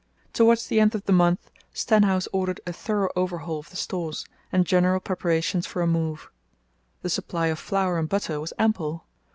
Towards the end of the month Stenhouse ordered a thorough overhaul of the stores and general preparations for a move. The supply of flour and butter was ample.